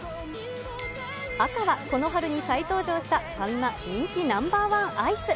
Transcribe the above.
赤はこの春に再登場した、ファミマ人気ナンバー１アイス。